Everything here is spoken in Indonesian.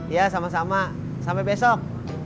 ya sama sama sampai besok